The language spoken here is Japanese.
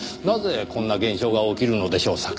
なぜこんな現象が起きるのでしょう？